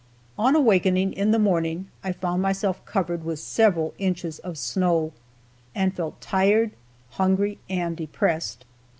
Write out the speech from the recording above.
On awakening in the morning, I found myself covered with several inches of snow, and felt tired, hungry and depressed.